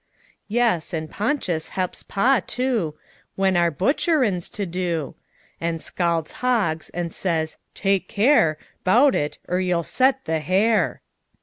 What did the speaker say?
Yes, an' Ponchus he'ps Pa, too, When our butcherin's to do, An' scalds hogs an' says "Take care 'Bout it, er you'll set the hair!"